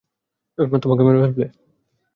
এই উন্মাদ আমাকে মেরে ফেলবে!